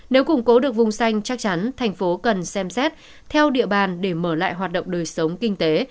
nếu củng cố được vùng xanh chắc chắn thành phố cần xem xét theo địa bàn để mở lại hoạt động đời sống kinh tế